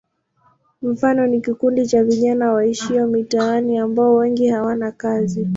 Mfano ni kikundi cha vijana waishio mitaani ambao wengi hawana kazi.